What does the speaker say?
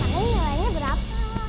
kamu kenalin nilainya berapa